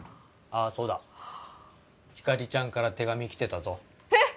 あっそうだひかりちゃんから手紙来てたぞえっ！